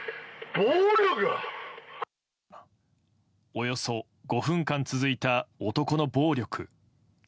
およそ５分間続いた男の暴力。